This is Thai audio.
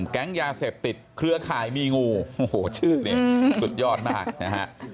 แก๊งยาเสพติดเครือข่ายมีงูชื่อสุดยอดมากนะครับ